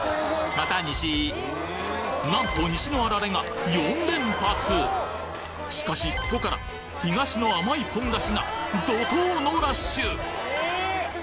また西なんと西のあられが４連発しかしここから東の甘いポン菓子が怒濤のラッシュ！